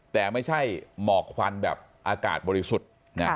แต่ไม่ใช่หมอกควันแบบอากาศบริสุทธิ์